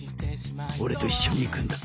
俺と一緒に行くんだ。